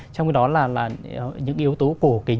trong đó là những yếu tố cổ kính